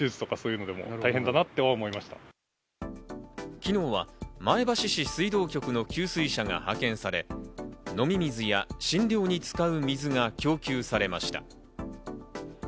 昨日は前橋市水道局の給水車が派遣され、飲み水や診療に使う水が供給されました。